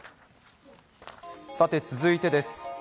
さて、続いてです。